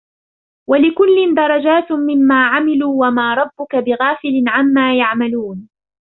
وَلِكُلٍّ دَرَجَاتٌ مِمَّا عَمِلُوا وَمَا رَبُّكَ بِغَافِلٍ عَمَّا يَعْمَلُونَ